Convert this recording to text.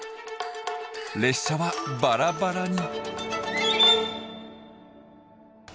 列車はバラバラに。